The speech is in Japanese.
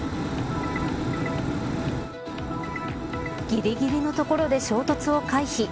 ぎりぎりのところで衝突を回避。